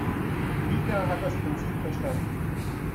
Mika hat das Prinzip verstanden.